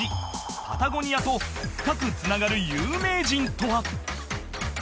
パタゴニアと深くつながる有名人とは？